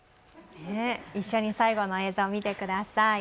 一緒に最後の映像を見てください。